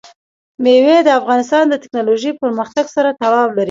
مېوې د افغانستان د تکنالوژۍ پرمختګ سره تړاو لري.